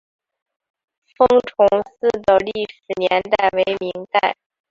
封崇寺的历史年代为明代。